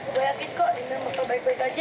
gue yakin kok imin bakal baik baik aja